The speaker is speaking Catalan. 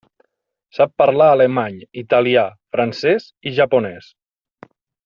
Sap parlar alemany, italià, francès i japonès.